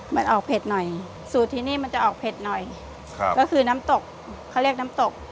มันออกเผ็ดหน่อยสูตรที่นี่มันจะออกเผ็ดหน่อยครับก็คือน้ำตกเขาเรียกน้ำตก